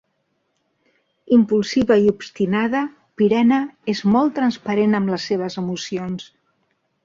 Impulsiva i obstinada, Pirena és molt transparent amb les seves emocions.